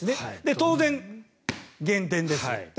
当然、減点です。